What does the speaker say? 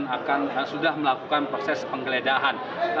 akan sudah melakukan proses penggeledahan